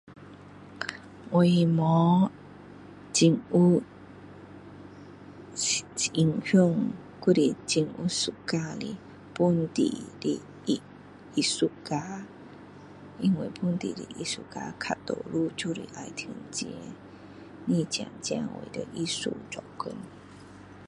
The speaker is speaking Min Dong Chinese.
我没很有影响还是很有 suka 的本地的艺术家因为本地的艺术家较多就是要赚钱不是真正为了艺术做工